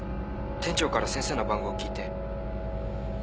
店長から先生の番号を聞いて。